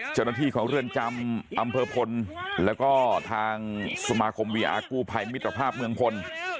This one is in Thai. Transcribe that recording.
เจ้าหน้าที่ของเรือนจำอำเภอพลแล้วก็ทางสมาคมวีอาร์กู้ภัยมิตรภาพเมืองพล